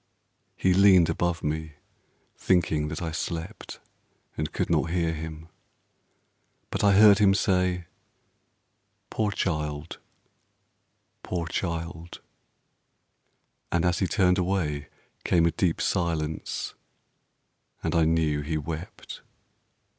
He leaned above me, thinking that I slept And could not hear him; but I heard him say: "Poor child, poor child": and as he turned away Came a deep silence, and I knew he wept.